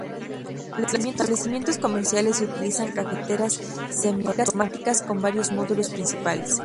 Los establecimientos comerciales utilizan cafeteras semiautomáticas con varios módulos principales.